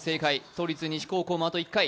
都立西高校、あと１回。